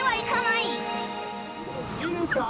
いいですか？